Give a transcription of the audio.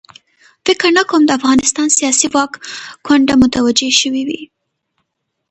فکر نه کوم د افغانستان سیاسي واک کونډه متوجه شوې وي.